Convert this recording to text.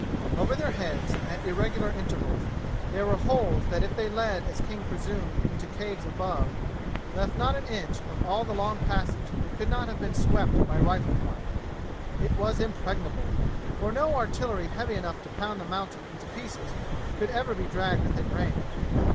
Over their heads, at irregular intervals, there were holes that if they led as King presumed into caves above, left not an inch of all the long passage that could not have been swept by rifle fire. It was impregnable; for no artillery heavy enough to pound the mountain into pieces could ever be dragged within range.